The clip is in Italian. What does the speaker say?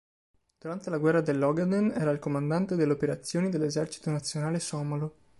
Durante la Guerra dell'Ogaden era il Comandante delle operazioni dell'Esercito nazionale somalo.